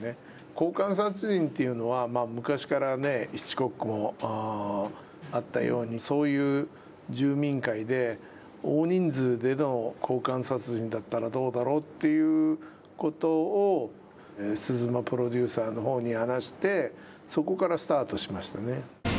交換殺人っていうのは昔からあったようにそういう住民会で大人数での交換殺人だったらどうだろうっていうことを鈴間プロデューサーのほうに話してそこからスタートしましたね。